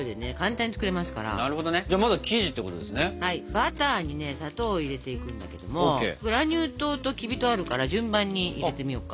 バターに砂糖を入れていくんだけどもグラニュー糖ときび糖あるから順番に入れてみようか。